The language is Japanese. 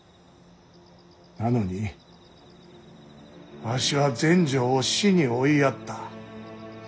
なのにわしは全成を死に追いやった。